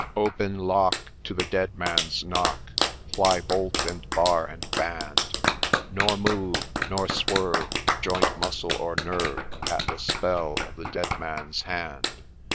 THE NURSE'S STORY ' Open lock To the Dead Man's knock I Fly bolt, and bar, and band I — Nor move, nor swerve, Joint, muscle, or nerve, At the spell of the Dead Man's hand